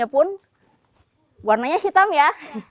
walaupun warnanya hitam ya